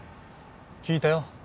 聞いたよ。